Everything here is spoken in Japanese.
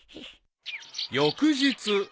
［翌日］